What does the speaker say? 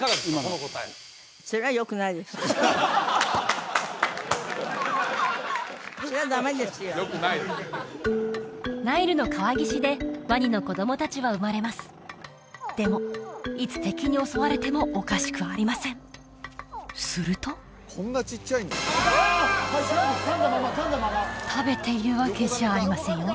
この答えそれはダメですよよくないナイルの川岸でワニの子供達は生まれますでもいつ敵に襲われてもおかしくありませんすると食べているわけじゃありませんよ